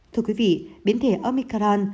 thưa quý vị biến thể omicron